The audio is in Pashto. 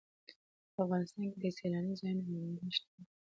په افغانستان کې د سیلاني ځایونو منابع شته دي.